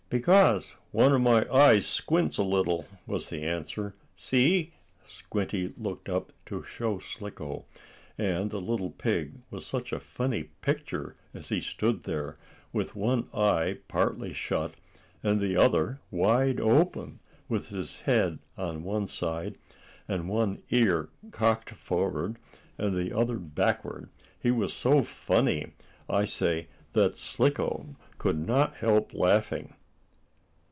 "Because one of my eyes squints a little," was the answer. "See!" Squinty looked up to show Slicko, and the little pig was such a funny picture, as he stood there, with one eye partly shut, and the other wide open, with his head on one side, and one ear cocked forward and the other backward, he was so funny, I say, that Slicko could not help laughing.